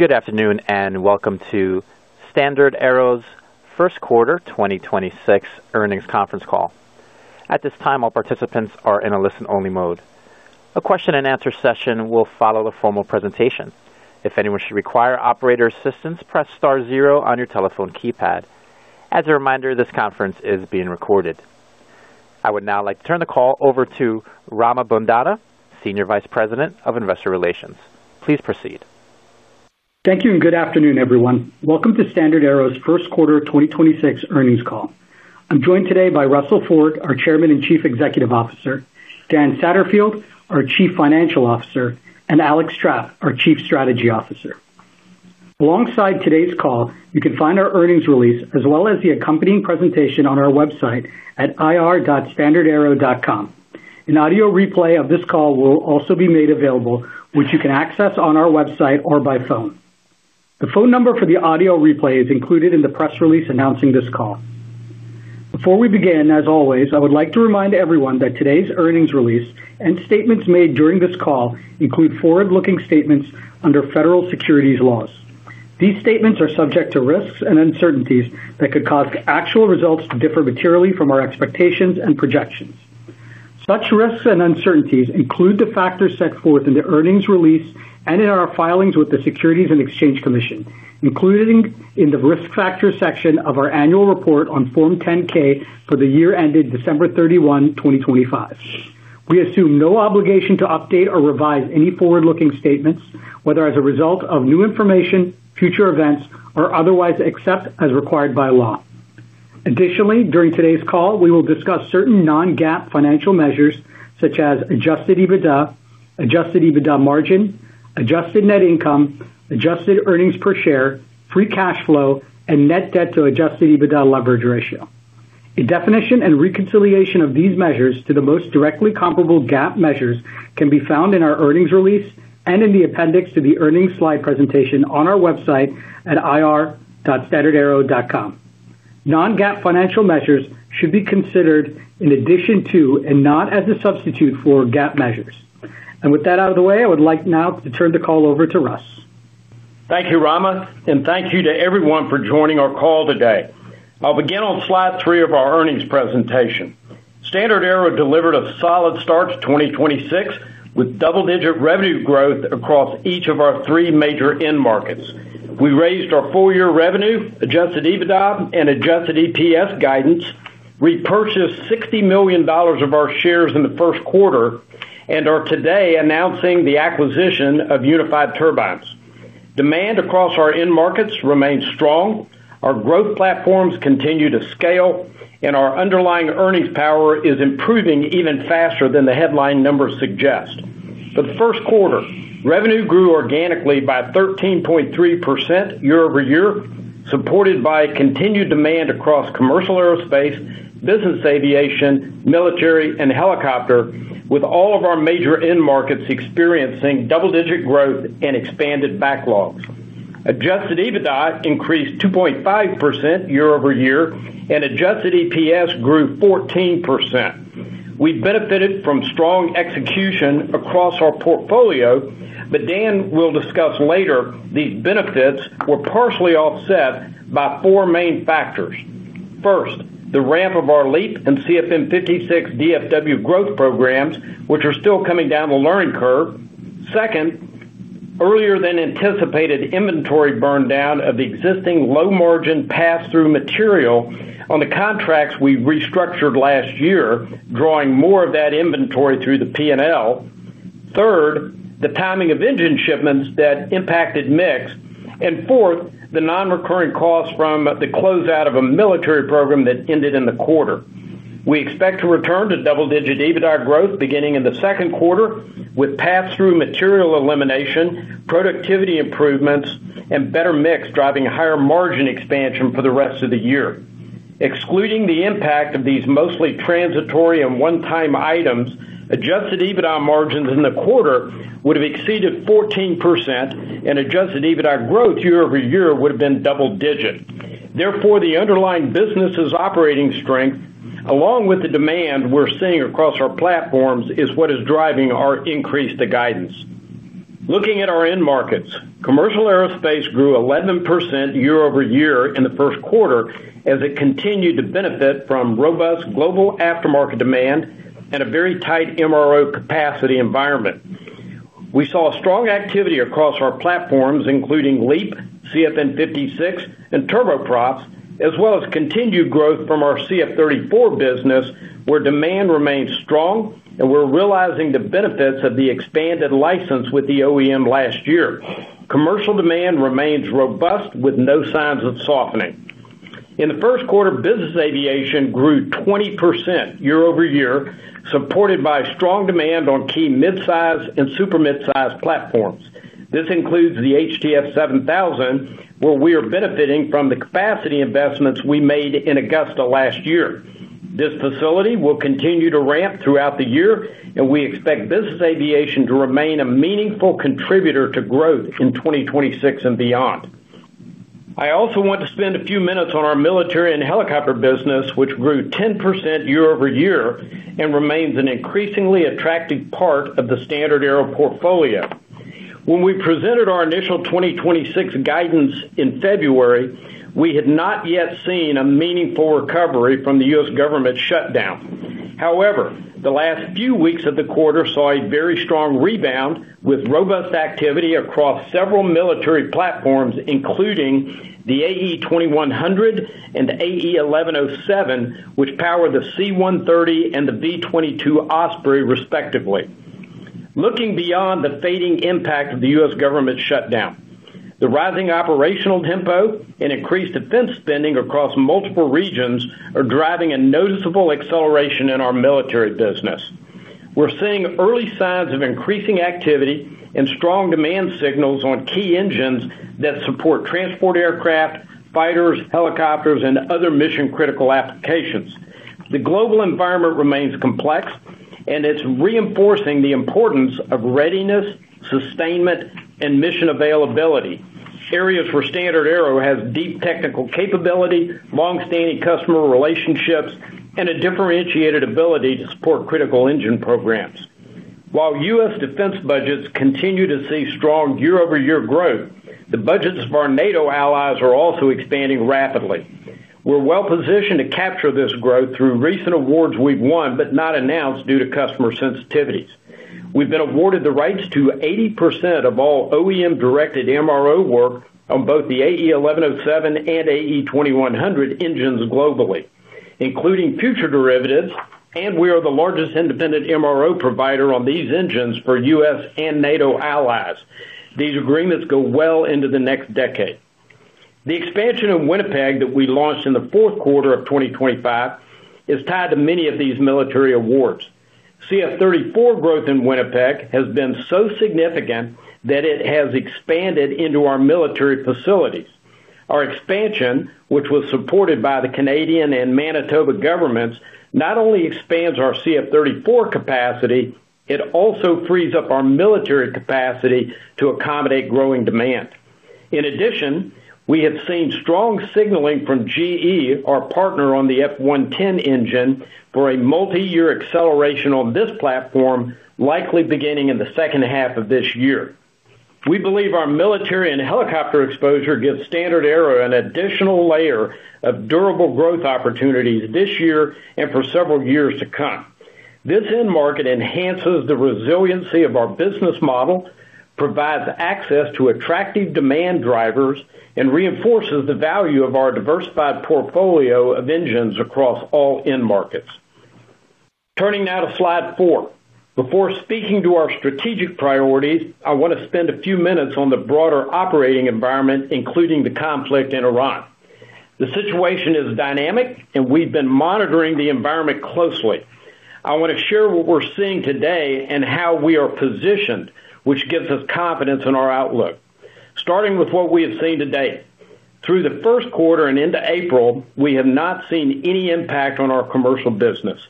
Good afternoon, and welcome to StandardAero's first quarter 2026 earnings conference call. At this time all participants are in a listen-only mode. A question-and-answer session will follow a formal presentation. If anyone should require an operator assistance, press star zero on your telephone keypad. As a reminder, this conference is being recorded. I would now like to turn the call over to Rama Bondada, Senior Vice President of Investor Relations. Please proceed. Thank you, good afternoon, everyone. Welcome to StandardAero's first quarter 2026 earnings call. I'm joined today by Russell Ford, our Chairman and Chief Executive Officer, Dan Satterfield, our Chief Financial Officer, and Alex Trapp, our Chief Strategy Officer. Alongside today's call, you can find our earnings release as well as the accompanying presentation on our website at ir.standardaero.com. An audio replay of this call will also be made available, which you can access on our website or by phone. The phone number for the audio replay is included in the press release announcing this call. Before we begin, as always, I would like to remind everyone that today's earnings release and statements made during this call include forward-looking statements under federal securities laws. These statements are subject to risks and uncertainties that could cause actual results to differ materially from our expectations and projections. Such risks and uncertainties include the factors set forth in the earnings release and in our filings with the Securities and Exchange Commission, including in the Risk Factors section of our annual report on Form 10-K for the year ended December 31, 2025. We assume no obligation to update or revise any forward-looking statements, whether as a result of new information, future events, or otherwise, except as required by law. Additionally, during today's call, we will discuss certain non-GAAP financial measures such as adjusted EBITDA, adjusted EBITDA margin, adjusted net income, adjusted earnings per share, free cash flow, and net debt to adjusted EBITDA leverage ratio. A definition and reconciliation of these measures to the most directly comparable GAAP measures can be found in our earnings release and in the appendix to the earnings slide presentation on our website at ir.standardaero.com. Non-GAAP financial measures should be considered in addition to and not as a substitute for GAAP measures. With that out of the way, I would like now to turn the call over to Russ. Thank you, Rama, and thank you to everyone for joining our call today. I'll begin on slide three of our earnings presentation. StandardAero delivered a solid start to 2026, with double-digit revenue growth across each of our three major end markets. We raised our full-year revenue, adjusted EBITDA, and adjusted EPS guidance, repurchased $60 million of our shares in the first quarter, and are today announcing the acquisition of Unified Turbines. Demand across our end markets remains strong, our growth platforms continue to scale, and our underlying earnings power is improving even faster than the headline numbers suggest. For the first quarter, revenue grew organically by 13.3% year-over-year, supported by continued demand across commercial aerospace, business aviation, military, and helicopter, with all of our major end markets experiencing double-digit growth and expanded backlogs. Adjusted EBITDA increased 2.5% year-over-year, and adjusted EPS grew 14%. We benefited from strong execution across our portfolio, but Dan will discuss later these benefits were partially offset by four main factors. First, the ramp of our LEAP and CFM56 DFW growth programs, which are still coming down the learning curve. Second, earlier than anticipated inventory burndown of existing low-margin pass-through material on the contracts we restructured last year, drawing more of that inventory through the P&L. Third, the timing of engine shipments that impacted mix. Fourth, the non-recurring costs from the closeout of a military program that ended in the quarter. We expect to return to double-digit EBITDA growth beginning in the second quarter with pass-through material elimination, productivity improvements, and better mix driving higher margin expansion for the rest of the year. Excluding the impact of these mostly transitory and one-time items, adjusted EBITDA margins in the quarter would have exceeded 14% and adjusted EBITDA growth year-over-year would have been double digit. The underlying business' operating strength, along with the demand we're seeing across our platforms, is what is driving our increase to guidance. Looking at our end markets, commercial aerospace grew 11% year-over-year in the first quarter as it continued to benefit from robust global aftermarket demand and a very tight MRO capacity environment. We saw strong activity across our platforms, including LEAP, CFM56, and turboprops, as well as continued growth from our CF34 business, where demand remains strong and we're realizing the benefits of the expanded license with the OEM last year. Commercial demand remains robust with no signs of softening. In the first quarter, business aviation grew 20% year-over-year, supported by strong demand on key midsize and super midsize platforms. This includes the HTF7000, where we are benefiting from the capacity investments we made in Augusta last year. This facility will continue to ramp throughout the year, and we expect business aviation to remain a meaningful contributor to growth in 2026 and beyond. I also want to spend a few minutes on our military and helicopter business, which grew 10% year-over-year and remains an increasingly attractive part of the StandardAero portfolio. When we presented our initial 2026 guidance in February, we had not yet seen a meaningful recovery from the U.S. government shutdown. However, the last few weeks of the quarter saw a very strong rebound with robust activity across several military platforms, including the AE 2100 and the AE 1107, which power the C-130 and the V-22 Osprey, respectively. Looking beyond the fading impact of the U.S. government shutdown, the rising operational tempo and increased defense spending across multiple regions are driving a noticeable acceleration in our military business. We're seeing early signs of increasing activity and strong demand signals on key engines that support transport aircraft, fighters, helicopters, and other mission-critical applications. The global environment remains complex, and it's reinforcing the importance of readiness, sustainment, and mission availability, areas where StandardAero has deep technical capability, long-standing customer relationships, and a differentiated ability to support critical engine programs. While U.S. defense budgets continue to see strong year-over-year growth, the budgets of our NATO allies are also expanding rapidly. We're well-positioned to capture this growth through recent awards we've won, but not announced due to customer sensitivities. We've been awarded the rights to 80% of all OEM-directed MRO work on both the AE 1107 and AE 2100 engines globally, including future derivatives, and we are the largest independent MRO provider on these engines for U.S. and NATO allies. These agreements go well into the next decade. The expansion in Winnipeg that we launched in the fourth quarter of 2025 is tied to many of these military awards. CF34 growth in Winnipeg has been so significant that it has expanded into our military facilities. Our expansion, which was supported by the Canadian and Manitoba governments, not only expands our CF34 capacity, it also frees up our military capacity to accommodate growing demand. In addition, we have seen strong signaling from GE, our partner on the F110 engine, for a multiyear acceleration on this platform, likely beginning in the second half of this year. We believe our military and helicopter exposure gives StandardAero an additional layer of durable growth opportunities this year and for several years to come. This end market enhances the resiliency of our business model, provides access to attractive demand drivers, and reinforces the value of our diversified portfolio of engines across all end markets. Turning now to slide four. Before speaking to our strategic priorities, I want to spend a few minutes on the broader operating environment, including the conflict in Iran. The situation is dynamic, and we've been monitoring the environment closely. I want to share what we're seeing today and how we are positioned, which gives us confidence in our outlook. Starting with what we have seen to date. Through the first quarter and into April, we have not seen any impact on our commercial business.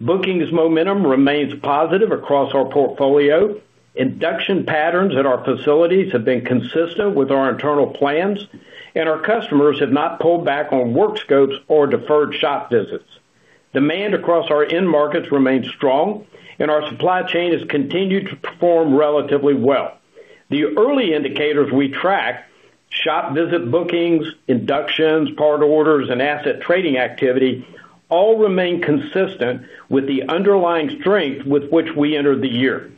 Bookings momentum remains positive across our portfolio. Induction patterns at our facilities have been consistent with our internal plans, and our customers have not pulled back on work scopes or deferred shop visits. Demand across our end markets remains strong, and our supply chain has continued to perform relatively well. The early indicators we track, shop visit bookings, inductions, part orders, and asset trading activity, all remain consistent with the underlying strength with which we entered the year.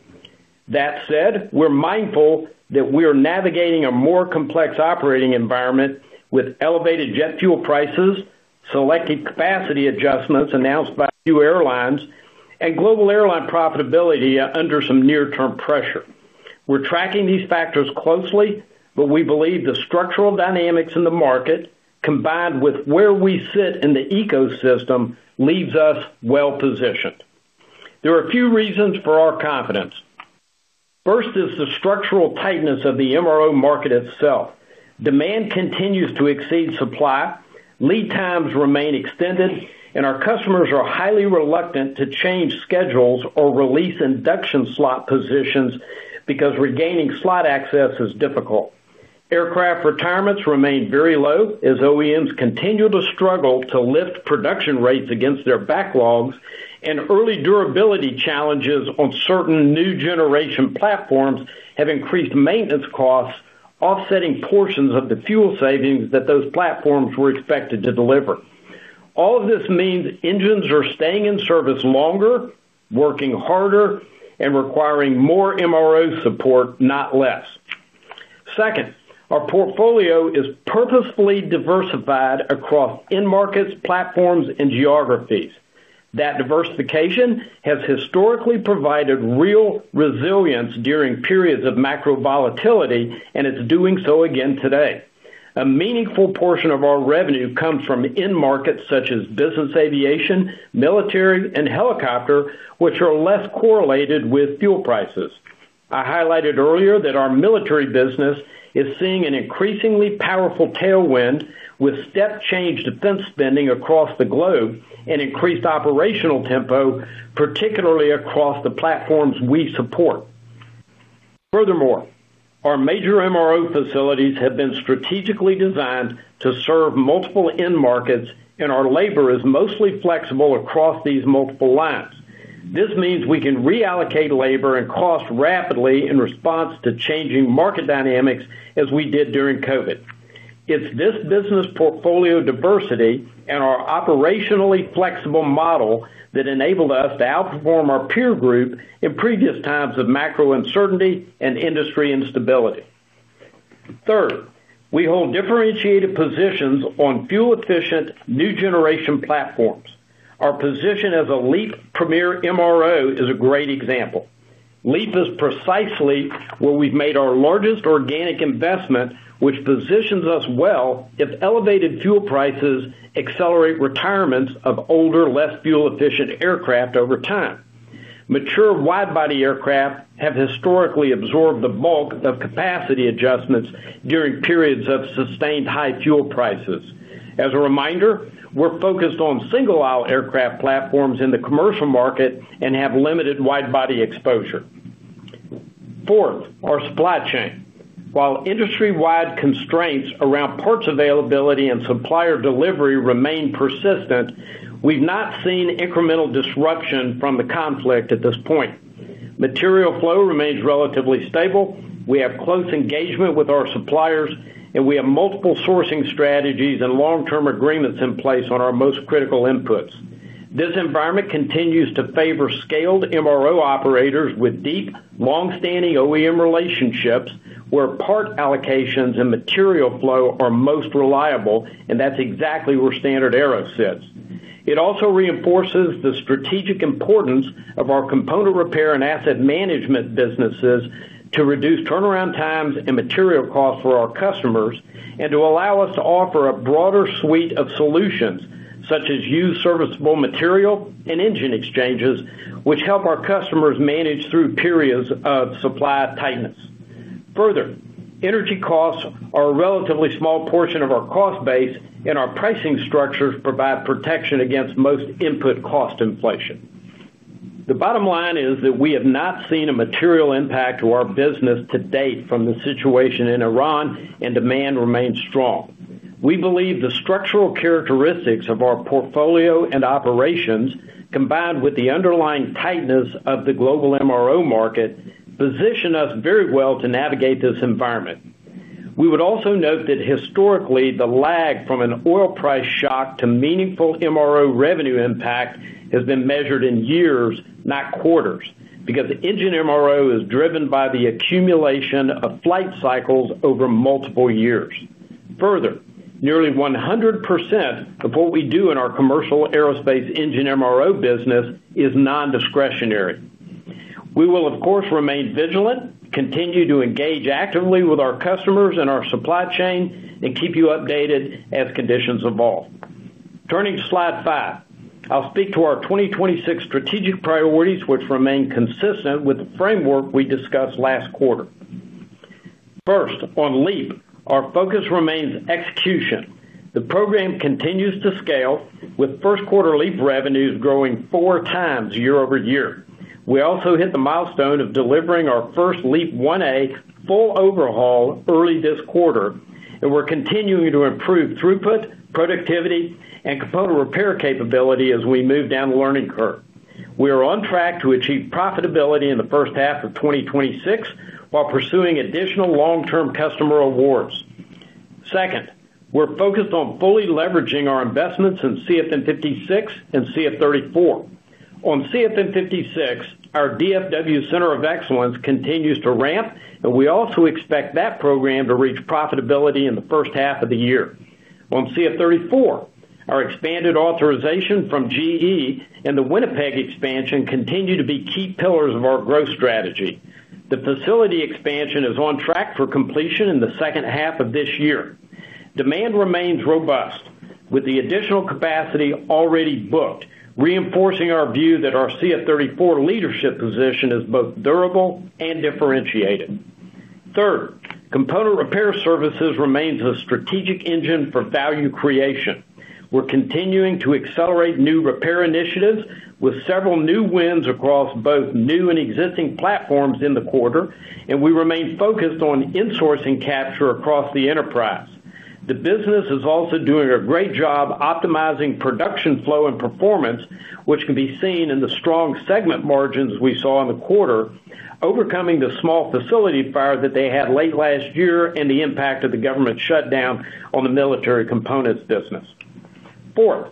That said, we're mindful that we are navigating a more complex operating environment with elevated jet fuel prices, selected capacity adjustments announced by a few airlines, and global airline profitability under some near-term pressure. We're tracking these factors closely, but we believe the structural dynamics in the market, combined with where we sit in the ecosystem, leaves us well-positioned. There are a few reasons for our confidence. First is the structural tightness of the MRO market itself. Demand continues to exceed supply, lead times remain extended, and our customers are highly reluctant to change schedules or release induction slot positions because regaining slot access is difficult. Aircraft retirements remain very low as OEMs continue to struggle to lift production rates against their backlogs, and early durability challenges on certain new-generation platforms have increased maintenance costs, offsetting portions of the fuel savings that those platforms were expected to deliver. All of this means engines are staying in service longer, working harder, and requiring more MRO support, not less. Second, our portfolio is purposefully diversified across end markets, platforms, and geographies. That diversification has historically provided real resilience during periods of macro volatility, and it's doing so again today. A meaningful portion of our revenue comes from end markets such as business aviation, military, and helicopter, which are less correlated with fuel prices. I highlighted earlier that our military business is seeing an increasingly powerful tailwind with step-change defense spending across the globe and increased operational tempo, particularly across the platforms we support. Furthermore, our major MRO facilities have been strategically designed to serve multiple end markets, and our labor is mostly flexible across these multiple lines. This means we can reallocate labor and cost rapidly in response to changing market dynamics as we did during COVID. It's this business portfolio diversity and our operationally flexible model that enabled us to outperform our peer group in previous times of macro uncertainty and industry instability. Third, we hold differentiated positions on fuel-efficient new generation platforms. Our position as a LEAP Premier MRO is a great example. LEAP is precisely where we've made our largest organic investment, which positions us well if elevated fuel prices accelerate retirements of older, less fuel-efficient aircraft over time. Mature wide-body aircraft have historically absorbed the bulk of capacity adjustments during periods of sustained high fuel prices. As a reminder, we're focused on single-aisle aircraft platforms in the commercial market and have limited wide-body exposure. Fourth, our supply chain. While industry-wide constraints around parts availability and supplier delivery remain persistent, we've not seen incremental disruption from the conflict at this point. Material flow remains relatively stable. We have close engagement with our suppliers, and we have multiple sourcing strategies and long-term agreements in place on our most critical inputs. This environment continues to favor scaled MRO operators with deep, long-standing OEM relationships, where part allocations and material flow are most reliable, and that's exactly where StandardAero sits. It also reinforces the strategic importance of our component repair and asset management businesses to reduce turnaround times and material costs for our customers, and to allow us to offer a broader suite of solutions, such as used serviceable material and engine exchanges, which help our customers manage through periods of supply tightness. Further, energy costs are a relatively small portion of our cost base, and our pricing structures provide protection against most input cost inflation. The bottom line is that we have not seen a material impact to our business to date from the situation in Iran, and demand remains strong. We believe the structural characteristics of our portfolio and operations, combined with the underlying tightness of the global MRO market, position us very well to navigate this environment. We would also note that historically, the lag from an oil price shock to meaningful MRO revenue impact has been measured in years, not quarters, because engine MRO is driven by the accumulation of flight cycles over multiple years. Further, nearly 100% of what we do in our commercial aerospace engine MRO business is nondiscretionary. We will, of course, remain vigilant, continue to engage actively with our customers and our supply chain, and keep you updated as conditions evolve. Turning to slide five, I'll speak to our 2026 strategic priorities, which remain consistent with the framework we discussed last quarter. First, on LEAP, our focus remains execution. The program continues to scale, with first quarter LEAP revenues growing four times year-over-year. We also hit the milestone of delivering our first LEAP-1A full overhaul early this quarter, and we're continuing to improve throughput, productivity, and component repair capability as we move down the learning curve. We are on track to achieve profitability in the first half of 2026, while pursuing additional long-term customer awards. Second, we're focused on fully leveraging our investments in CFM56 and CF34. On CFM56, our DFW Center of Excellence continues to ramp, and we also expect that program to reach profitability in the first half of the year. On CF34, our expanded authorization from GE and the Winnipeg expansion continue to be key pillars of our growth strategy. The facility expansion is on track for completion in the second half of this year. Demand remains robust, with the additional capacity already booked, reinforcing our view that our CF34 leadership position is both durable and differentiated. Third, component repair services remains a strategic engine for value creation. We're continuing to accelerate new repair initiatives with several new wins across both new and existing platforms in the quarter. We remain focused on insourcing capture across the enterprise. The business is also doing a great job optimizing production flow and performance, which can be seen in the strong segment margins we saw in the quarter, overcoming the small facility fire that they had late last year and the impact of the government shutdown on the military components business. Fourth,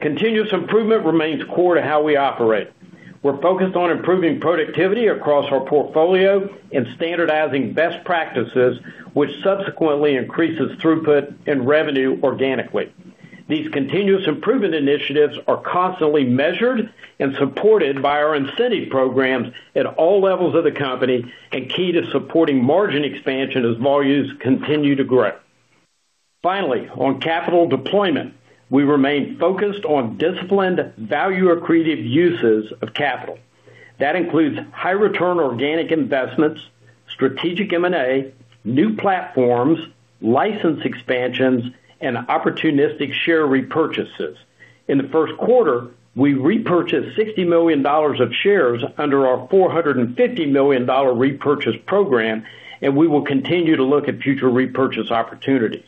continuous improvement remains core to how we operate. We're focused on improving productivity across our portfolio and standardizing best practices, which subsequently increases throughput and revenue organically. These continuous improvement initiatives are constantly measured and supported by our incentive programs at all levels of the company and key to supporting margin expansion as volumes continue to grow. Finally, on capital deployment, we remain focused on disciplined value-accretive uses of capital. That includes high-return organic investments, strategic M&A, new platforms, license expansions, and opportunistic share repurchases. In the first quarter, we repurchased $60 million of shares under our $450 million repurchase program, and we will continue to look at future repurchase opportunities.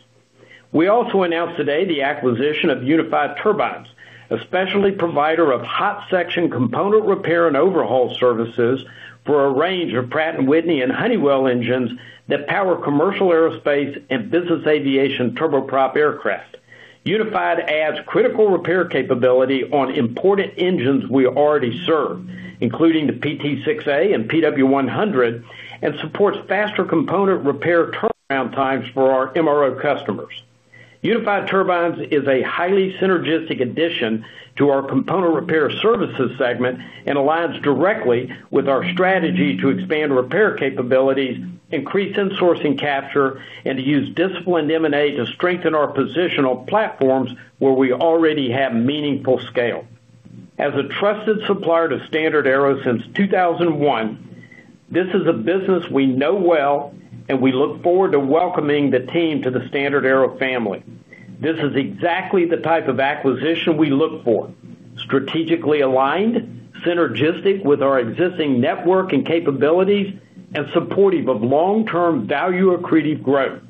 We also announced today the acquisition of Unified Turbines, a specialty provider of hot section component repair and overhaul services for a range of Pratt & Whitney and Honeywell engines that power commercial aerospace and business aviation turboprop aircraft. Unified adds critical repair capability on important engines we already serve, including the PT6A and PW100, and supports faster component repair turnaround times for our MRO customers. Unified Turbines is a highly synergistic addition to our component repair services segment and aligns directly with our strategy to expand repair capabilities, increase insourcing capture, and to use disciplined M&A to strengthen our positional platforms where we already have meaningful scale. As a trusted supplier to StandardAero since 2001, this is a business we know well, and we look forward to welcoming the team to the StandardAero family. This is exactly the type of acquisition we look for, strategically aligned, synergistic with our existing network and capabilities, and supportive of long-term value-accretive growth.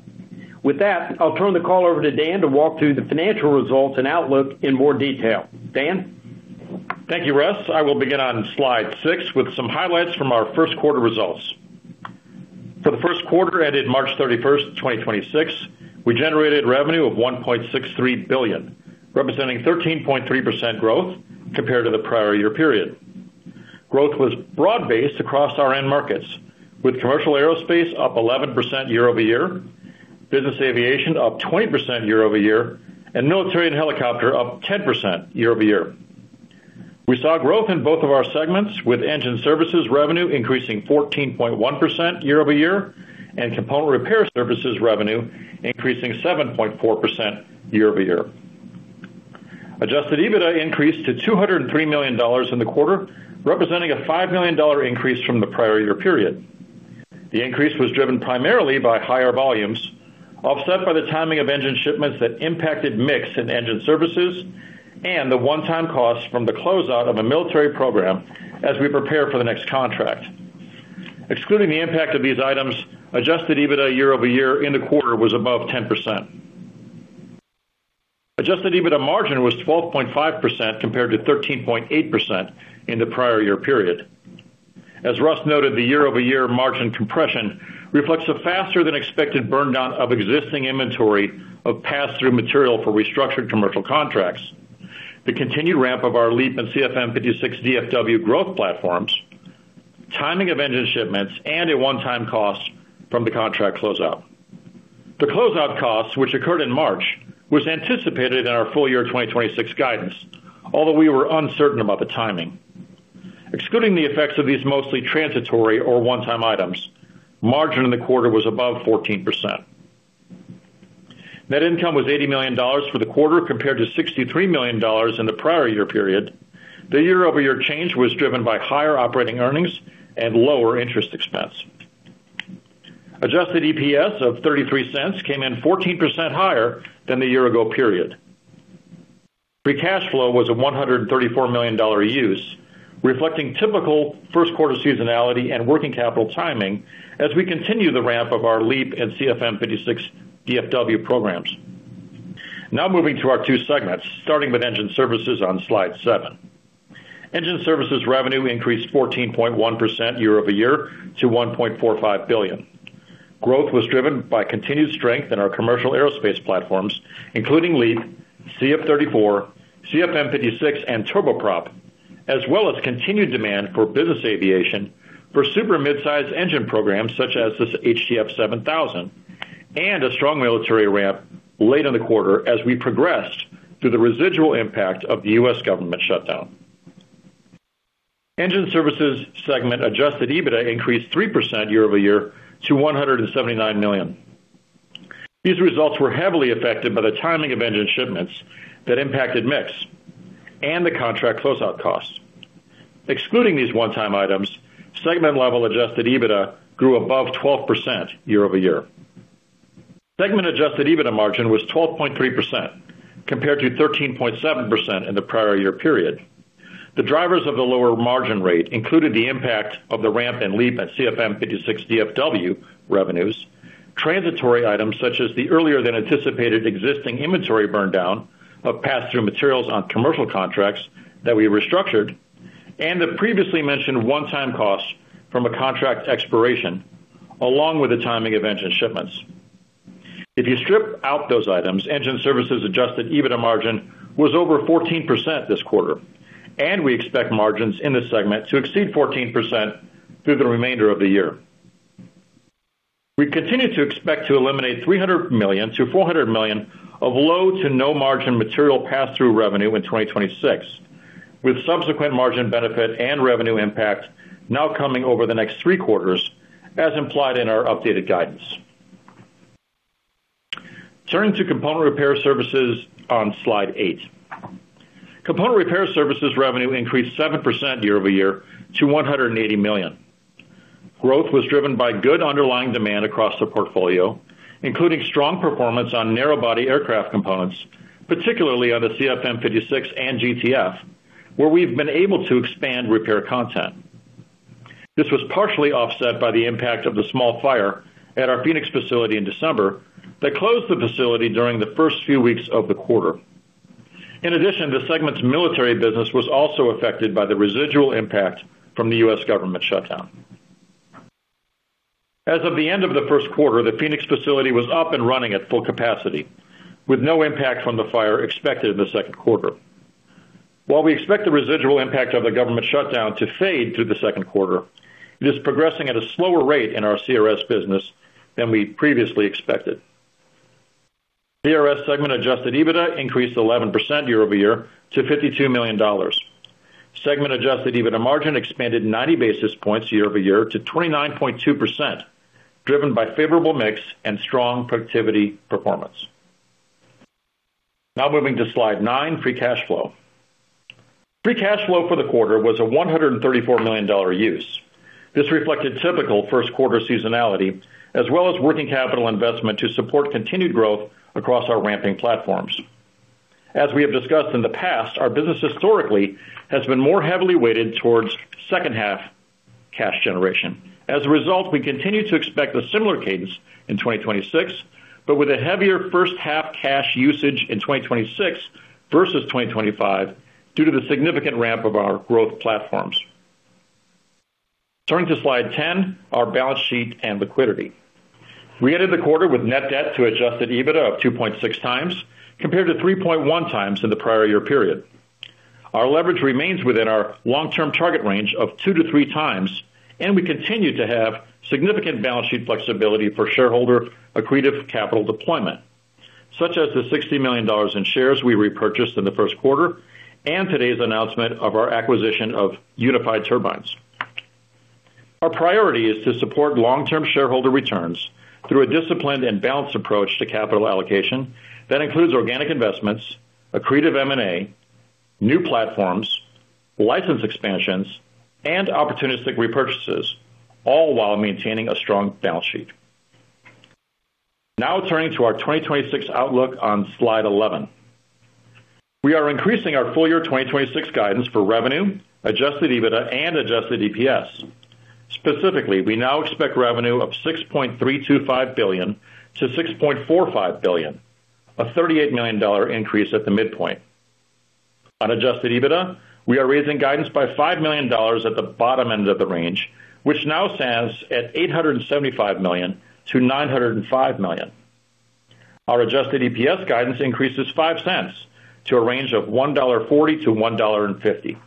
With that, I'll turn the call over to Dan to walk through the financial results and outlook in more detail. Dan? Thank you, Russ. I will begin on slide six with some highlights from our first quarter results. For the first quarter ended March 31st, 2026, we generated revenue of $1.63 billion, representing 13.3% growth compared to the prior year period. Growth was broad-based across our end markets, with commercial aerospace up 11% year-over-year, business aviation up 20% year-over-year, and military and helicopter up 10% year-over-year. We saw growth in both of our segments, with engine services revenue increasing 14.1% year-over-year and component repair services revenue increasing 7.4% year-over-year. Adjusted EBITDA increased to $203 million in the quarter, representing a $5 million increase from the prior year period. The increase was driven primarily by higher volumes, offset by the timing of engine shipments that impacted mix in engine services and the one-time costs from the closeout of a military program as we prepare for the next contract. Excluding the impact of these items, adjusted EBITDA year-over-year in the quarter was above 10%. Adjusted EBITDA margin was 12.5% compared to 13.8% in the prior year period. As Russ noted, the year-over-year margin compression reflects a faster than expected burn down of existing inventory of pass-through material for restructured commercial contracts. The continued ramp of our LEAP and CFM56 DFW growth platforms, timing of engine shipments, and a one-time cost from the contract closeout. The closeout cost, which occurred in March, was anticipated in our full year 2026 guidance, although we were uncertain about the timing. Excluding the effects of these mostly transitory or one-time items, margin in the quarter was above 14%. Net income was $80 million for the quarter compared to $63 million in the prior year period. The year-over-year change was driven by higher operating earnings and lower interest expense. Adjusted EPS of $0.33 came in 14% higher than the year-ago period. Free cash flow was a $134 million use, reflecting typical first quarter seasonality and working capital timing as we continue the ramp of our LEAP and CFM56 DFW programs. Now moving to our two segments, starting with Engine services on slide seven. Engine services revenue increased 14.1% year-over-year to $1.45 billion. Growth was driven by continued strength in our commercial aerospace platforms, including LEAP, CF34, CFM56 and Turboprop, as well as continued demand for business aviation for super midsize engine programs, such as this HTF7000, and a strong military ramp late in the quarter as we progressed through the residual impact of the U.S. government shutdown. Engine services segment adjusted EBITDA increased 3% year-over-year to $179 million. These results were heavily affected by the timing of engine shipments that impacted mix and the contract closeout costs. Excluding these one-time items, segment-level adjusted EBITDA grew above 12% year-over-year. Segment adjusted EBITDA margin was 12.3% compared to 13.7% in the prior year period. The drivers of the lower margin rate included the impact of the ramp in LEAP and CFM56 DFW revenues, transitory items such as the earlier than anticipated existing inventory burn down of pass-through materials on commercial contracts that we restructured, and the previously mentioned one-time costs from a contract expiration, along with the timing of engine shipments. If you strip out those items, engine services adjusted EBITDA margin was over 14% this quarter, and we expect margins in this segment to exceed 14% through the remainder of the year. We continue to expect to eliminate $300 million-$400 million of low to no margin material pass-through revenue in 2026, with subsequent margin benefit and revenue impact now coming over the next three quarters, as implied in our updated guidance. Turning to component repair services on slide eight. Component repair services revenue increased 7% year-over-year to $180 million. Growth was driven by good underlying demand across the portfolio, including strong performance on narrowbody aircraft components, particularly on the CFM56 and GTF, where we've been able to expand repair content. This was partially offset by the impact of the small fire at our Phoenix facility in December that closed the facility during the first few weeks of the quarter. In addition, the segment's military business was also affected by the residual impact from the U.S. government shutdown. As of the end of the first quarter, the Phoenix facility was up and running at full capacity, with no impact from the fire expected in the second quarter. While we expect the residual impact of the government shutdown to fade through the second quarter, it is progressing at a slower rate in our CRS business than we previously expected. CRS segment adjusted EBITDA increased 11% year-over-year to $52 million. Segment adjusted EBITDA margin expanded 90 basis points year-over-year to 29.2%, driven by favorable mix and strong productivity performance. Moving to slide nine, free cash flow. Free cash flow for the quarter was a $134 million use. This reflected typical first quarter seasonality, as well as working capital investment to support continued growth across our ramping platforms. As we have discussed in the past, our business historically has been more heavily weighted towards second half cash generation. We continue to expect a similar cadence in 2026, but with a heavier first half cash usage in 2026 versus 2025 due to the significant ramp of our growth platforms. Turning to slide 10, our balance sheet and liquidity. We ended the quarter with net debt to adjusted EBITDA of 2.6x compared to 3.1x in the prior year period. Our leverage remains within our long-term target range of 2x-3x, and we continue to have significant balance sheet flexibility for shareholder accretive capital deployment, such as the $60 million in shares we repurchased in the first quarter and today's announcement of our acquisition of Unified Turbines. Our priority is to support long-term shareholder returns through a disciplined and balanced approach to capital allocation that includes organic investments, accretive M&A, new platforms, license expansions, and opportunistic repurchases, all while maintaining a strong balance sheet. Turning to our 2026 outlook on slide 11. We are increasing our full-year 2026 guidance for revenue, adjusted EBITDA, and adjusted EPS. Specifically, we now expect revenue of $6.325 billion-$6.45 billion, a $38 million increase at the midpoint. On adjusted EBITDA, we are raising guidance by $5 million at the bottom end of the range, which now stands at $875 million-$905 million. Our adjusted EPS guidance increases $0.05 to a range of $1.40-$1.50,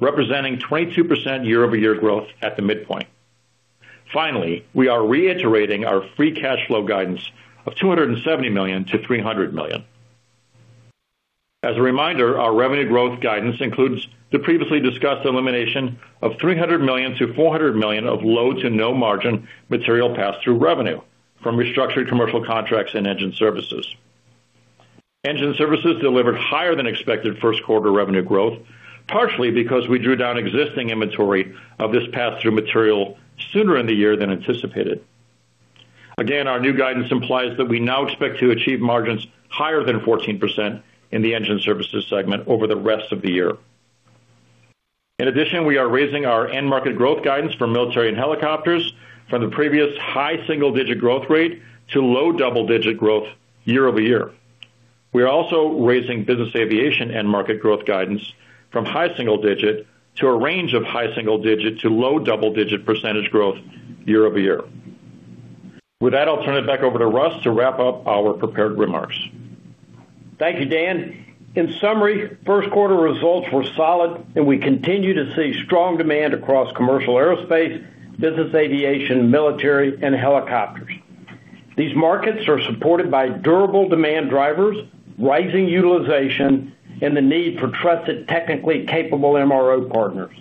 representing 22% year-over-year growth at the midpoint. Finally, we are reiterating our free cash flow guidance of $270 million-$300 million. As a reminder, our revenue growth guidance includes the previously discussed elimination of $300 million-$400 million of low to no margin material pass-through revenue from restructured commercial contracts and engine services. Engine services delivered higher than expected first quarter revenue growth, partially because we drew down existing inventory of this pass-through material sooner in the year than anticipated. Again, our new guidance implies that we now expect to achieve margins higher than 14% in the engine services segment over the rest of the year. In addition, we are raising our end market growth guidance for military and helicopters from the previous high single-digit growth rate to low double-digit growth year-over-year. We are also raising business aviation end market growth guidance from high single-digit to a range of high single-digit to low double-digit percentage growth year-over-year. With that, I'll turn it back over to Russ to wrap up our prepared remarks. Thank you, Dan. In summary, first quarter results were solid and we continue to see strong demand across commercial aerospace, business aviation, military, and helicopters. These markets are supported by durable demand drivers, rising utilization, and the need for trusted, technically capable MRO partners.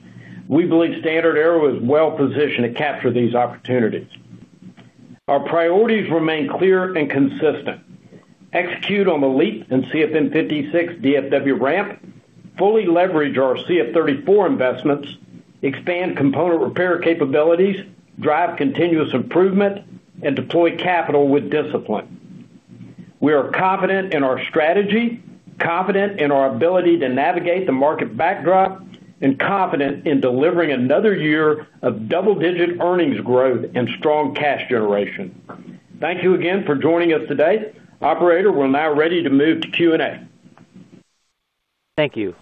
We believe StandardAero is well-positioned to capture these opportunities. Our priorities remain clear and consistent. Execute on the LEAP and CFM56 DFW ramp, fully leverage our CF34 investments, expand component repair capabilities, drive continuous improvement, and deploy capital with discipline. We are confident in our strategy, confident in our ability to navigate the market backdrop, and confident in delivering another year of double-digit earnings growth and strong cash generation. Thank you again for joining us today. Operator, we're now ready to move to Q&A. Thank you.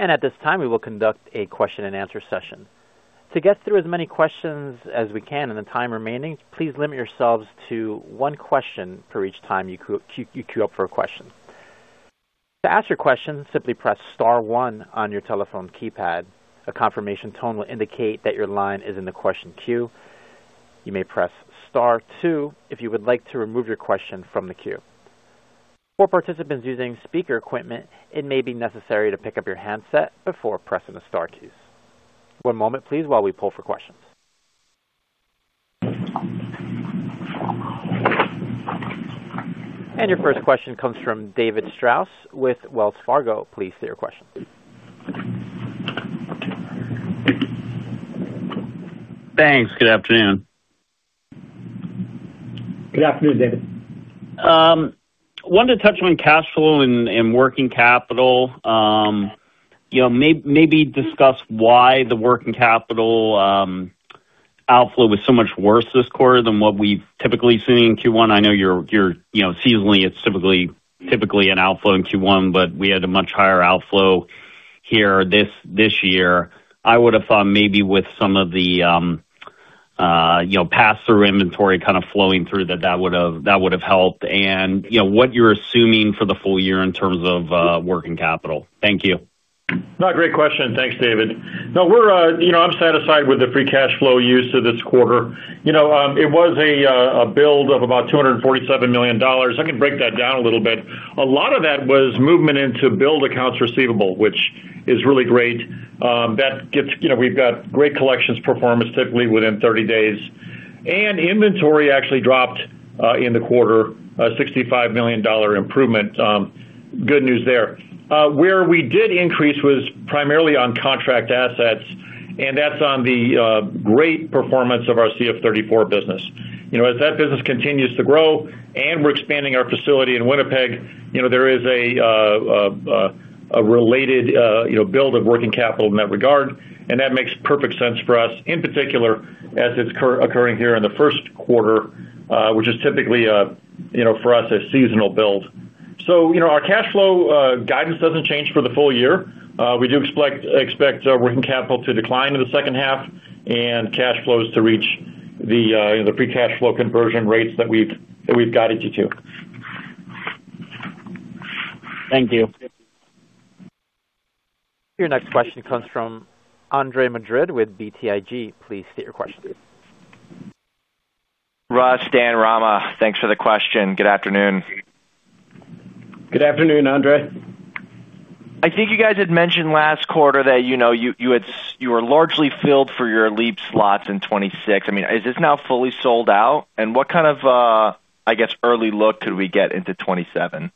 At this time, we will conduct a question-and-answer session. To get through as many questions as we can in the time remaining, please limit yourselves to one question for each time you queue up for a question. To ask your question, simply press star one on your telephone keypad. A confirmation tone will indicate that your line is in the question queue. You may press star two if you would like to remove your question from the queue. For participants using speaker equipment, it may be necessary to pick up your handset before pressing the star keys. One moment, please, while we pull for questions. Your first question comes from David Strauss with Wells Fargo. Please state your question. Thanks. Good afternoon. Good afternoon, David. Wanted to touch on cash flow and working capital. You know, maybe discuss why the working capital outflow was so much worse this quarter than what we've typically seen in Q1. I know you're, you know, seasonally, it's typically an outflow in Q1, but we had a much higher outflow here this year. I would have thought maybe with some of the, you know, pass-through inventory kind of flowing through that would have helped. You know, what you're assuming for the full year in terms of working capital. Thank you. Great question. Thanks, David. We're, you know, I'm satisfied with the free cash flow use of this quarter. You know, it was a build of about $247 million. I can break that down a little bit. A lot of that was movement into build accounts receivable, which is really great, that gets, you know, we've got great collections performance typically within 30 days. Inventory actually dropped in the quarter, a $65 million improvement. Good news there. Where we did increase was primarily on contract assets, and that's on the great performance of our CF34 business. You know, as that business continues to grow and we're expanding our facility in Winnipeg, you know, there is a related, you know, build of working capital in that regard, and that makes perfect sense for us, in particular, as it's occurring here in the first quarter, which is typically a, you know, for us, a seasonal build. You know, our cash flow guidance doesn't change for the full year. We do expect working capital to decline in the second half and cash flows to reach the free cash flow conversion rates that we've guided you to. Thank you. Your next question comes from Andre Madrid with BTIG. Please state your question. Russ, Dan, Rama, thanks for the question. Good afternoon. Good afternoon, Andre. I think you guys had mentioned last quarter that, you know, you were largely filled for your LEAP slots in 2026. I mean, is this now fully sold out? What kind of, I guess, early look could we get into 2027?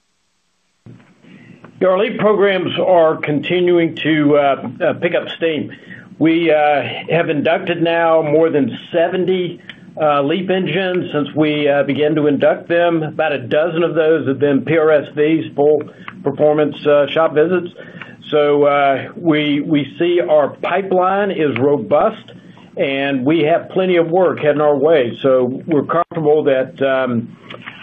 Your LEAP programs are continuing to pick up steam. We have inducted now more than 70 LEAP engines since we began to induct them. About a dozen of those have been PRSVs, full performance shop visits. We see our pipeline is robust, and we have plenty of work heading our way. We're comfortable that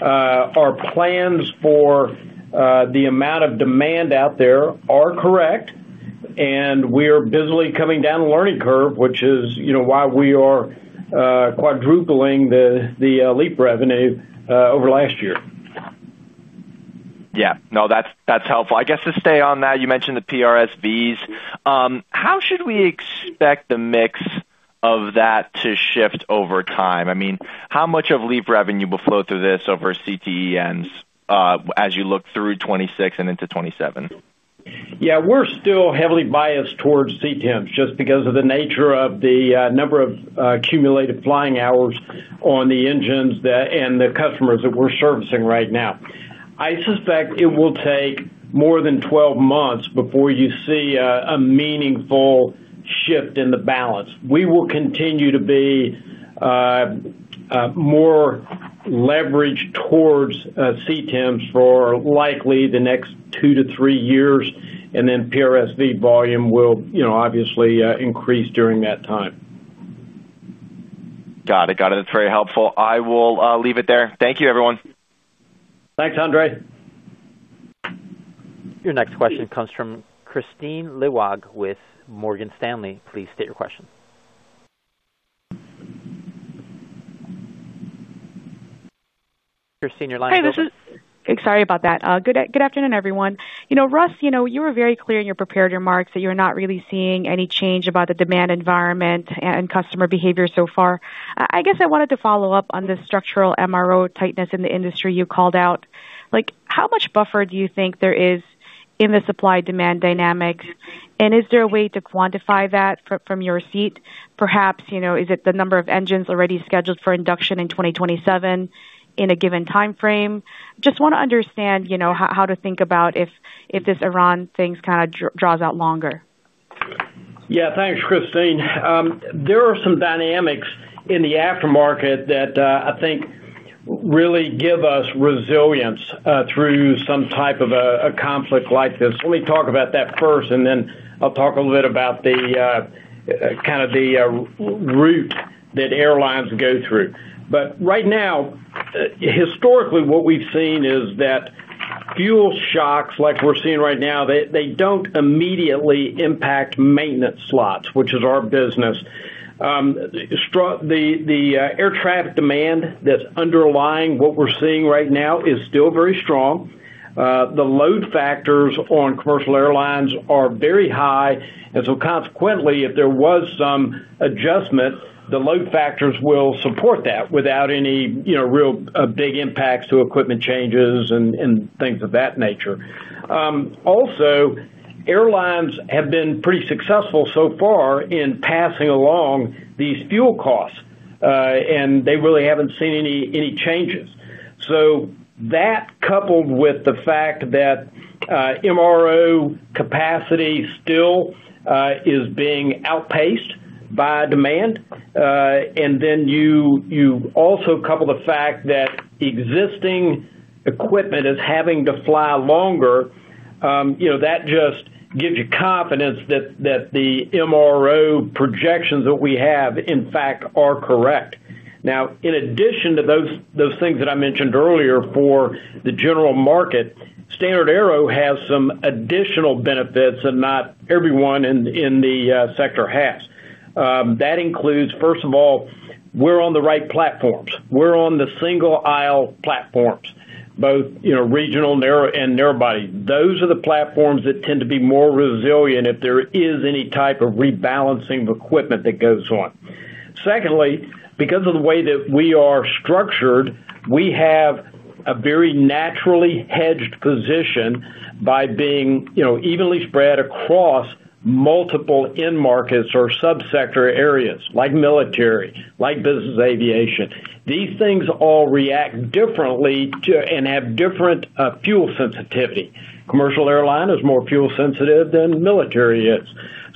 our plans for the amount of demand out there are correct, and we're busily coming down a learning curve, which is, you know, why we are quadrupling the LEAP revenue over last year. Yeah. No, that's helpful. I guess to stay on that, you mentioned the PRSVs. How should we expect the mix of that to shift over time? I mean, how much of LEAP revenue will flow through this over CTEMs, as you look through 2026 and into 2027? Yeah. We're still heavily biased towards CTEMs just because of the nature of the number of accumulated flying hours on the engines that and the customers that we're servicing right now. I suspect it will take more than 12 months before you see a meaningful shift in the balance. We will continue to be more leveraged towards CTEMs for likely the next two to three years, and then PRSV volume will, you know, obviously, increase during that time. Got it. That's very helpful. I will leave it there. Thank you, everyone. Thanks, Andre. Your next question comes from Kristine Liwag with Morgan Stanley. Sorry about that. Good afternoon, everyone. You know, Russ, you know, you were very clear in your prepared remarks that you're not really seeing any change about the demand environment and customer behavior so far. I guess I wanted to follow up on the structural MRO tightness in the industry you called out. Like, how much buffer do you think there is in the supply-demand dynamics? And is there a way to quantify that from your seat? Perhaps, you know, is it the number of engines already scheduled for induction in 2027 in a given timeframe? Just wanna understand, you know, how to think about if this Iran things kinda draws out longer. Thanks, Kristine. There are some dynamics in the aftermarket that I think really give us resilience through some type of a conflict like this. Let me talk about that first, and then I'll talk a little bit about the route that airlines go through. Right now, historically, what we've seen is that fuel shocks, like we're seeing right now, they don't immediately impact maintenance slots, which is our business. The air traffic demand that's underlying what we're seeing right now is still very strong. The load factors on commercial airlines are very high, consequently, if there was some adjustment, the load factors will support that without any, you know, real big impacts to equipment changes and things of that nature. Also, airlines have been pretty successful so far in passing along these fuel costs. They really haven't seen any changes. That coupled with the fact that MRO capacity still is being outpaced by demand, you also couple the fact that existing equipment is having to fly longer, you know, that just gives you confidence that the MRO projections that we have in fact are correct. In addition to those things that I mentioned earlier for the general market, StandardAero has some additional benefits that not everyone in the sector has. That includes, first of all, we're on the right platforms. We're on the single aisle platforms, both, you know, regional, narrow, and narrow body. Those are the platforms that tend to be more resilient if there is any type of rebalancing of equipment that goes on. Secondly, because of the way that we are structured, we have a very naturally hedged position by being, you know, evenly spread across multiple end markets or sub-sector areas like military, like business aviation. These things all react differently to and have different fuel sensitivity. Commercial airline is more fuel sensitive than military is.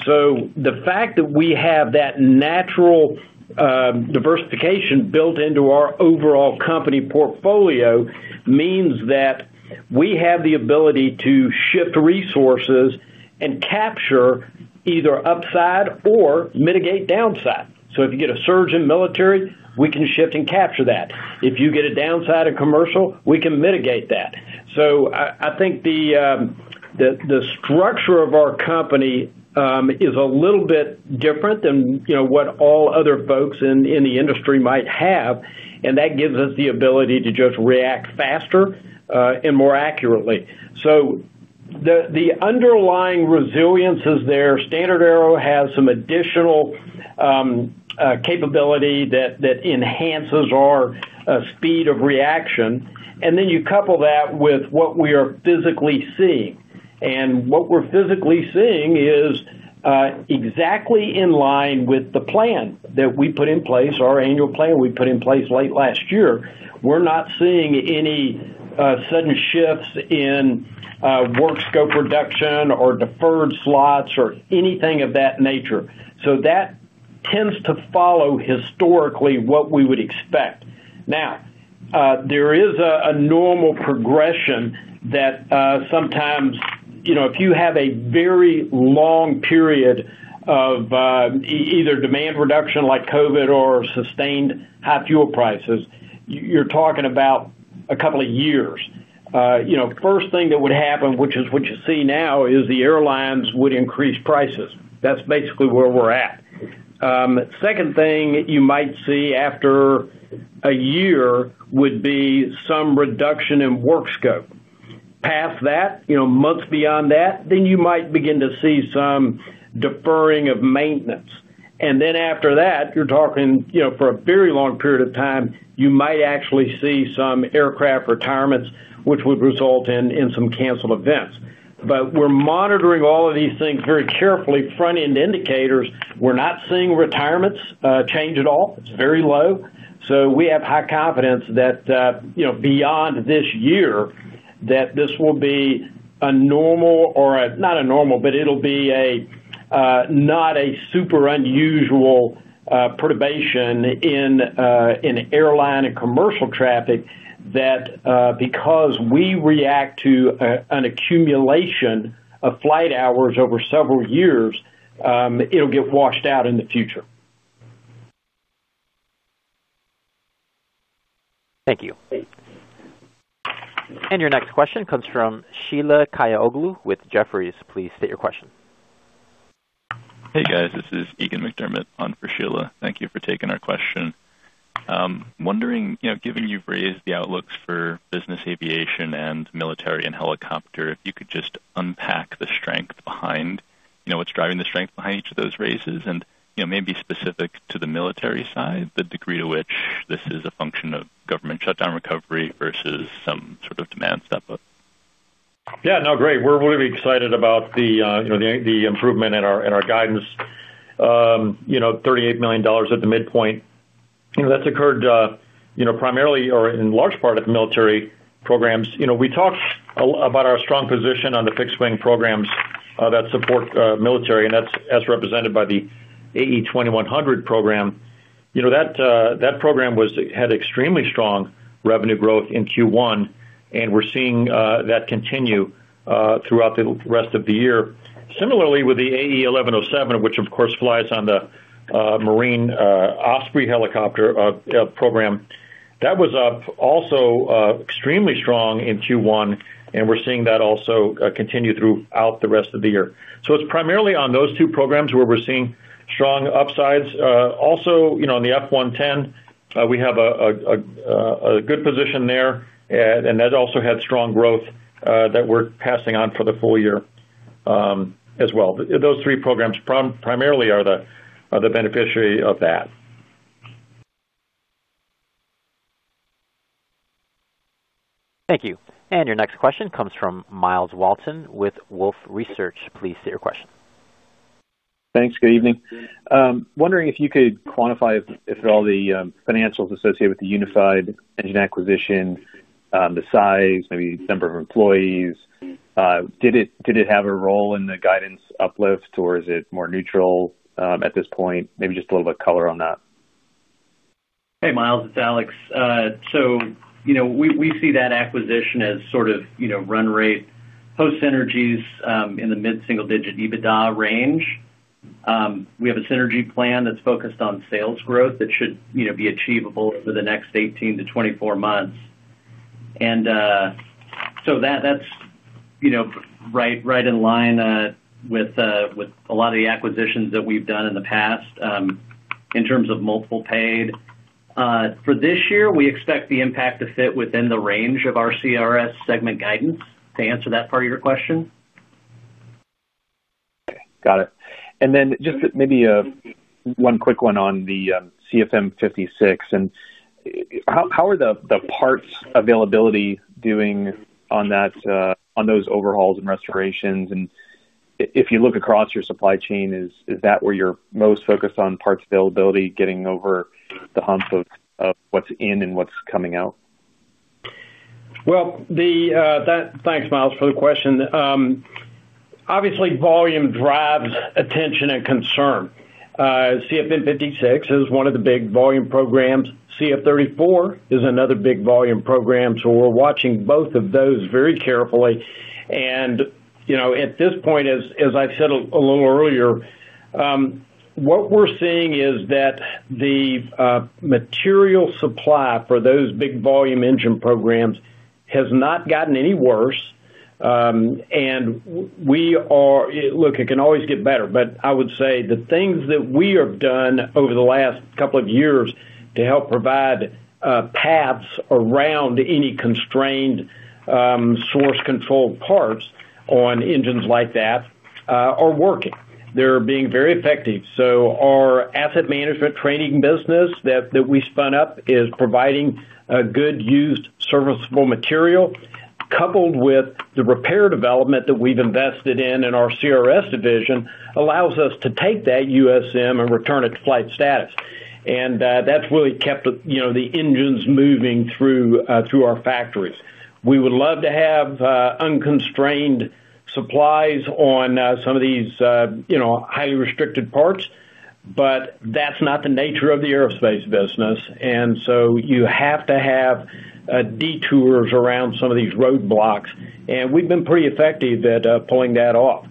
The fact that we have that natural diversification built into our overall company portfolio means that we have the ability to shift resources and capture either upside or mitigate downside. If you get a surge in military, we can shift and capture that. If you get a downside in commercial, we can mitigate that. I think the structure of our company is a little bit different than, you know, what all other folks in the industry might have, and that gives us the ability to just react faster and more accurately. The underlying resilience is there. StandardAero has some additional capability that enhances our speed of reaction, and then you couple that with what we are physically seeing. What we're physically seeing is exactly in line with the plan that we put in place, our annual plan we put in place late last year. We're not seeing any sudden shifts in work scope reduction or deferred slots or anything of that nature. That tends to follow historically what we would expect. Now, there is a normal progression that sometimes, you know, if you have a very long period of either demand reduction like COVID or sustained high fuel prices, you're talking about a couple of years. You know, first thing that would happen, which is what you see now, is the airlines would increase prices. That's basically where we're at. Second thing you might see after a year would be some reduction in work scope. Past that, you know, months beyond that, you might begin to see some deferring of maintenance. After that, you're talking, you know, for a very long period of time, you might actually see some aircraft retirements, which would result in some canceled events. We're monitoring all of these things very carefully. Front-end indicators, we're not seeing retirements change at all. It's very low. We have high confidence that, you know, beyond this year, that this will be a normal or not a normal, but it'll be a not a super unusual perturbation in airline and commercial traffic that, because we react to an accumulation of flight hours over several years, it'll get washed out in the future. Thank you. Your next question comes from Sheila Kahyaoglu with Jefferies. Please state your question. Hey, guys. This is Eegan McDermott on for Sheila. Thank you for taking our question. Wondering, you know, given you've raised the outlooks for business aviation and military and helicopter, if you could just unpack the strength behind, you know, what's driving the strength behind each of those raises? You know, maybe specific to the military side, the degree to which this is a function of government shutdown recovery versus some sort of demand step up? Great. We're really excited about the, you know, the improvement in our guidance. You know, $38 million at the midpoint. You know, that's occurred, you know, primarily or in large part of the military programs. You know, we talked about our strong position on the fixed wing programs that support military, and that's as represented by the AE 2100 program. You know, that program had extremely strong revenue growth in Q1, and we're seeing that continue throughout the rest of the year. Similarly, with the AE 1107, which of course flies on the Marine Osprey helicopter program, that was also extremely strong in Q1, and we're seeing that also continue throughout the rest of the year. It's primarily on those two programs where we're seeing strong upsides. Also, you know, on the F110, we have a good position there, and that also had strong growth, that we're passing on for the full year, as well. Those three programs primarily are the beneficiary of that. Thank you. Your next question comes from Myles Walton with Wolfe Research. Please state your question. Thanks. Good evening. Wondering if you could quantify if at all the financials associated with the Unified Turbines acquisition, the size, maybe number of employees, did it, did it have a role in the guidance uplift, or is it more neutral at this point? Maybe just a little bit color on that. Hey, Myles, it's Alex. You know, we see that acquisition as sort of, you know, run rate post-synergies in the mid-single-digit EBITDA range. We have a synergy plan that's focused on sales growth that should, you know, be achievable over the next 18 months-24 months. That's, you know, right in line with a lot of the acquisitions that we've done in the past in terms of multiple paid. For this year, we expect the impact to fit within the range of our CRS segment guidance, to answer that part of your question. Okay. Got it. Then just maybe one quick one on the CFM56. How are the parts availability doing on that on those overhauls and restorations? If you look across your supply chain, is that where you're most focused on parts availability, getting over the hump of what's in and what's coming out? Thanks, Myles, for the question. Obviously volume drives attention and concern. CFM56 is one of the big volume programs. CF34 is another big volume program, so we're watching both of those very carefully. You know, at this point, as I've said a little earlier, what we're seeing is that the material supply for those big volume engine programs has not gotten any worse. Look, it can always get better, but I would say the things that we have done over the last couple of years to help provide paths around any constrained source controlled parts on engines like that are working. They're being very effective. Our asset management trading business that we spun up is providing a good used serviceable material, coupled with the repair development that we've invested in in our CRS division, allows us to take that USM and return it to flight status. That's really kept the, you know, the engines moving through our factories. We would love to have unconstrained supplies on some of these, you know, highly restricted parts, but that's not the nature of the aerospace business. You have to have detours around some of these roadblocks, and we've been pretty effective at pulling that off.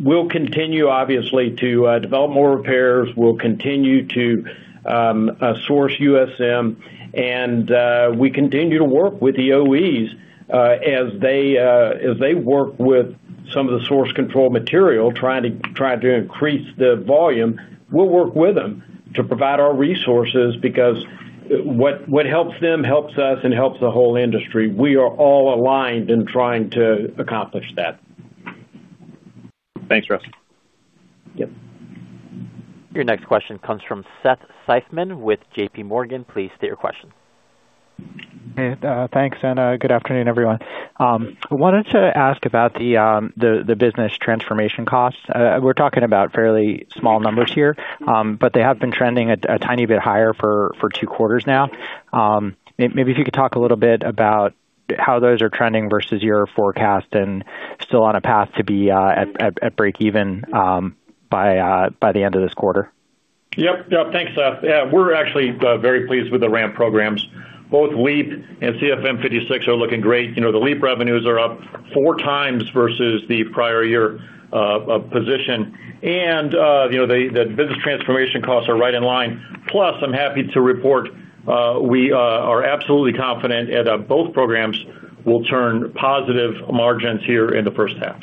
We'll continue, obviously, to develop more repairs. We'll continue to source USM, and we continue to work with the OEs as they work with some of the source control material, trying to increase the volume. We'll work with them to provide our resources because what helps them, helps us and helps the whole industry. We are all aligned in trying to accomplish that. Thanks, Russ. Yep. Your next question comes from Seth Seifman with JPMorgan. Please state your question. Hey, thanks, and good afternoon, everyone. Wanted to ask about the business transformation costs. We're talking about fairly small numbers here, but they have been trending at a tiny bit higher for two quarters now. Maybe if you could talk a little bit about how those are trending versus your forecast and still on a path to be at breakeven by the end of this quarter? Yep. Yep. Thanks, Seth. Yeah, we're actually, very pleased with the ramp programs. Both LEAP and CFM56 are looking great. You know, the LEAP revenues are up four times versus the prior year position. You know, the business transformation costs are right in line. Plus, I'm happy to report, we are absolutely confident that both programs will turn positive margins here in the first half.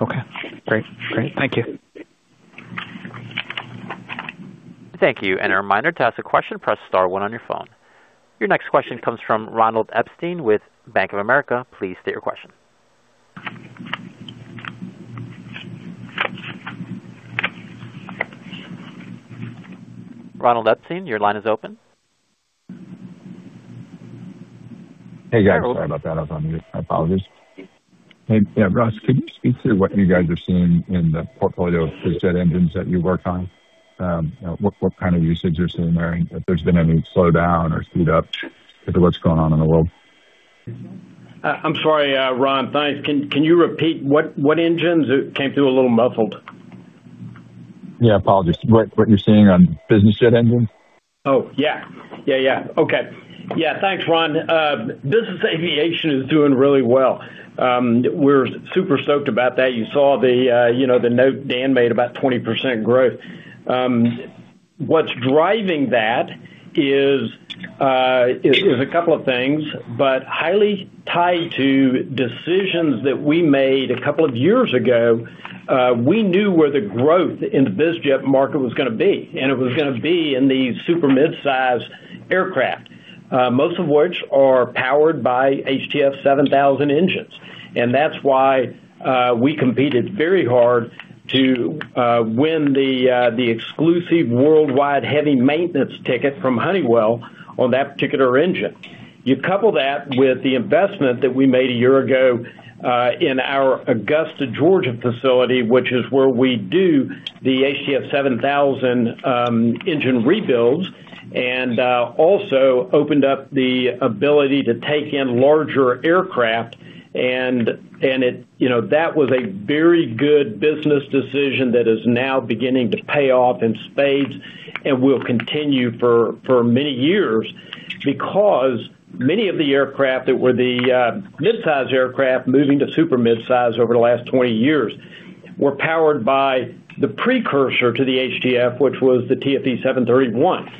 Okay. Great. Thank you. Thank you. A reminder, to ask a question, press star one on your phone. Your next question comes from Ronald Epstein with Bank of America. Please state your question. Ronald Epstein, your line is open. Hey, guys. Sorry about that. I was on mute. My apologies. Hey, yeah, Russ, could you speak to what you guys are seeing in the portfolio of biz jet engines that you work on? What kind of usage you're seeing there, and if there's been any slowdown or speed up with what's going on in the world? I'm sorry, Ron. Thanks. Can you repeat what engines? It came through a little muffled. Yeah. Apologies. What you're seeing on business jet engines? Thanks, Ron. Business aviation is doing really well. We're super stoked about that. You saw the, you know, the note Dan made about 20% growth. What's driving that is a couple of things, but highly tied to decisions that we made a couple of years ago. We knew where the growth in the biz jet market was gonna be, and it was gonna be in the super-midsize aircraft, most of which are powered by HTF7000 engines. That's why we competed very hard to win the exclusive worldwide heavy maintenance ticket from Honeywell on that particular engine. You couple that with the investment that we made a year ago in our Augusta, Georgia facility, which is where we do the HTF7000 engine rebuilds, and also opened up the ability to take in larger aircraft and, you know, that was a very good business decision that is now beginning to pay off in spades and will continue for many years because many of the aircraft that were the mid-size aircraft moving to super mid-size over the last 20 years were powered by the precursor to the HTF, which was the TFE731.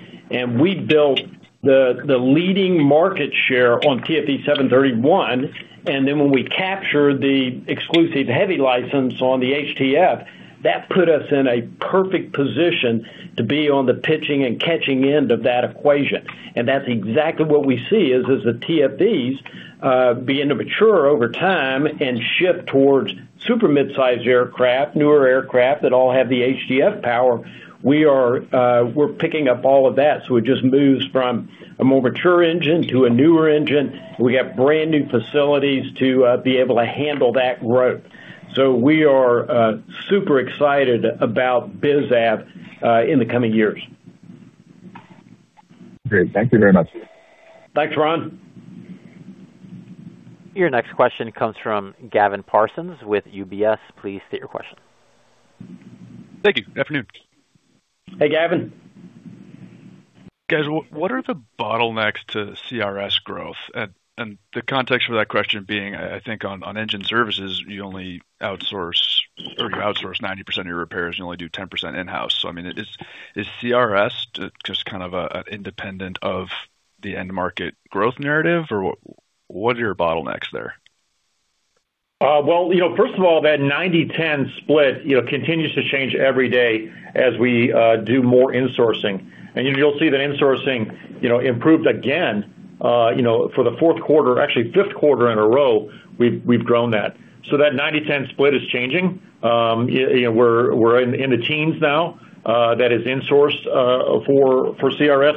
We built the leading market share on TFE731, then when we captured the exclusive heavy license on the HTF, that put us in a perfect position to be on the pitching and catching end of that equation. That's exactly what we see, is as the TFEs, begin to mature over time and shift towards super mid-size aircraft, newer aircraft that all have the HTF power, we are, we're picking up all of that, so it just moves from a more mature engine to a newer engine. We have brand-new facilities to, be able to handle that growth. We are, super excited about biz av, in the coming years. Great. Thank you very much. Thanks, Ron. Your next question comes from Gavin Parsons with UBS. Please state your question. Thank you. Good afternoon. Hey, Gavin. Guys, what are the bottlenecks to CRS growth? The context for that question being, I think on engine services, you only outsource, or you outsource 90% of your repairs, you only do 10% in-house. I mean, is CRS just kind of independent of the end market growth narrative, or what are your bottlenecks there? Well, you know, first of all, that 90/10 split, you know, continues to change every day as we do more insourcing. You'll see that insourcing, you know, improved again, for the fourth quarter, actually fifth quarter in a row, we've grown that. That 90/10 split is changing. You know, we're in the teens now, that is insourced for CRS.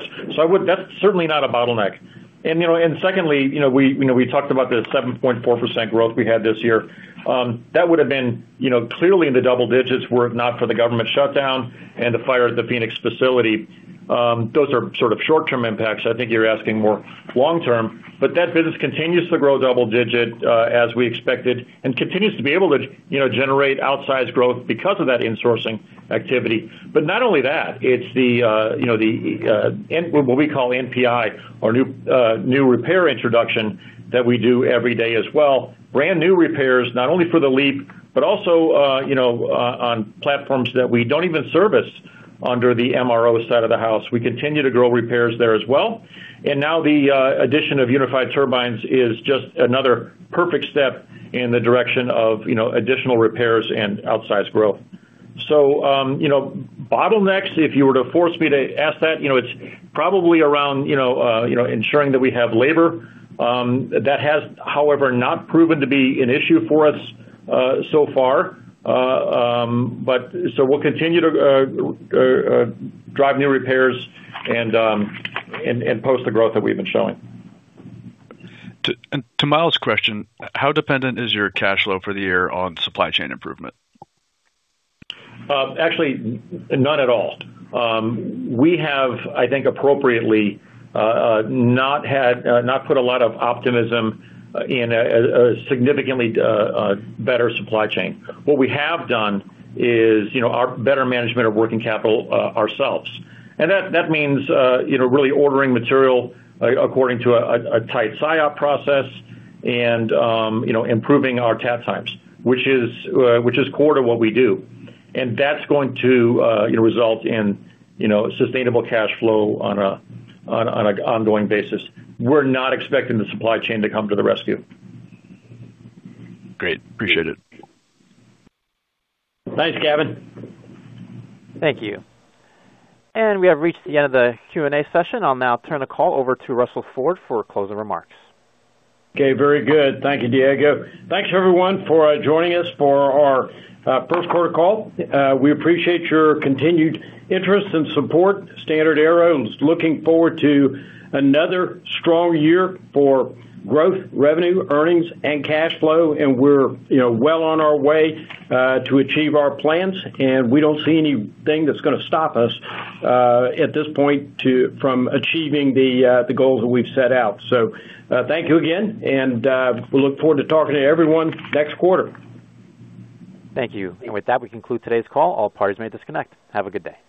That's certainly not a bottleneck. Secondly, you know, we talked about the 7.4% growth we had this year. That would have been, you know, clearly in the double digits were it not for the government shutdown and the fire at the Phoenix facility. Those are sort of short-term impacts. I think you're asking more long term. That business continues to grow double digit, as we expected, and continues to be able to, you know, generate outsized growth because of that insourcing activity. Not only that, it's the, you know, the, what we call NPI, our new repair introduction that we do every day as well. Brand-new repairs, not only for the LEAP, but also, you know, on platforms that we don't even service under the MRO side of the house. We continue to grow repairs there as well. Now the addition of Unified Turbines is just another perfect step in the direction of, you know, additional repairs and outsized growth. You know, bottlenecks, if you were to force me to guess that, you know, it's probably around, you know, ensuring that we have labor, that has, however, not proven to be an issue for us so far. We'll continue to drive new repairs and post the growth that we've been showing. To Myles' question, how dependent is your cash flow for the year on supply chain improvement? Actually none at all. We have, I think appropriately, not had, not put a lot of optimism in a significantly better supply chain. What we have done is, you know, our better management of working capital ourselves. That means, you know, really ordering material according to a tight SIOP process and, you know, improving our TAT times, which is core to what we do. That's going to, you know, result in, you know, sustainable cash flow on an ongoing basis. We're not expecting the supply chain to come to the rescue. Great. Appreciate it. Thanks, Gavin. Thank you. We have reached the end of the Q&A session. I'll now turn the call over to Russell Ford for closing remarks. Okay, very good. Thank you, Diego. Thanks everyone for joining us for our first quarter call. We appreciate your continued interest and support. StandardAero is looking forward to another strong year for growth, revenue, earnings, and cash flow, and we're, you know, well on our way to achieve our plans, and we don't see anything that's gonna stop us at this point from achieving the goals that we've set out. Thank you again, and we look forward to talking to everyone next quarter. Thank you. With that, we conclude today's call. All parties may disconnect. Have a good day.